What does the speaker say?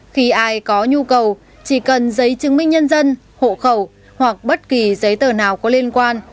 khi ai có nhu cầu chỉ cần giấy chứng minh nhân dân hộ khẩu hoặc bất kỳ giấy tờ nào có liên quan